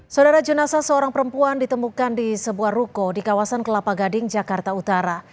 saudara jenasa seorang perempuan ditemukan di sebuah ruko di kawasan kelapa gading jakarta utara